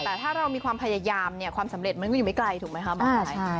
แต่ถ้าเรามีความพยายามเนี่ยความสำเร็จมันก็อยู่ไม่ไกลถูกไหมคะหมอปลาย